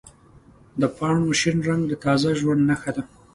د پاڼو شین رنګ د تازه ژوند نښه ده.